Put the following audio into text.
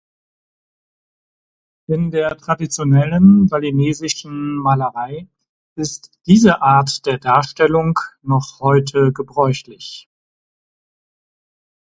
In der traditionellen balinesischen Malerei ist diese Art der Darstellung noch heute gebräuchlich.